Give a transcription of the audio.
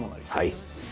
はい。